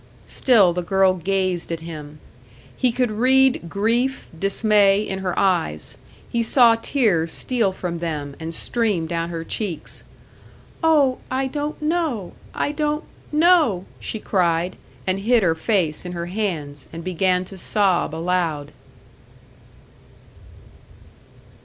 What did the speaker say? Still the girl gazed at him. He could read grief, dismay in her eyes; he saw tears steal from them, and stream down her cheeks. "Oh, I don't know, I don't know!" she cried; and hid her face in her hands, and began to sob aloud.